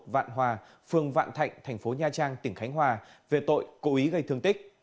vạn hòa phường vạn thạnh thành phố nha trang tỉnh khánh hòa về tội cố ý gây thương tích